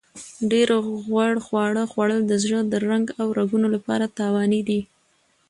ډېر غوړ خواړه خوړل د زړه د رنګ او رګونو لپاره تاواني دي.